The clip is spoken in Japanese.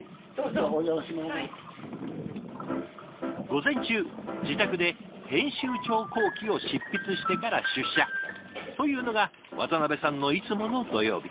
午前中自宅で編集長後記を執筆してから出社というのが渡部さんのいつもの土曜日。